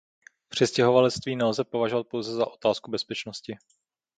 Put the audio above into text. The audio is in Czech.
Přistěhovalectví nelze považovat pouze za otázku bezpečnosti.